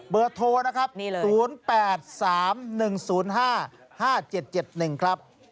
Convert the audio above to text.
โทรนะครับ๐๘๓๑๐๕๕๗๗๑ครับ